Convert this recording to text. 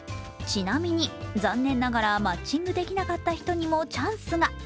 ちなみに、残念ながらマッチングできなかった人にもチャンスが。